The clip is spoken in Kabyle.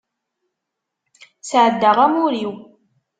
Sεeddaɣ amur-iw.